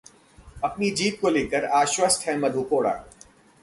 अपनी जीत को लेकर आश्वस्त हैं मधु कोड़ा